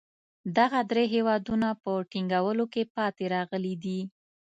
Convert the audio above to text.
دغه درې هېوادونه په ټینګولو کې پاتې راغلي دي.